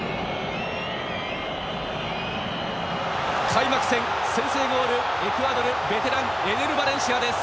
開幕戦先制ゴールエクアドルベテランエネル・バレンシアです。